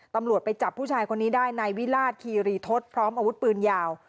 ตำรวจไปจับผู้ชายคนนี้ได้ในวิราชคีรีทศพร้อมอาวุธปืนยาว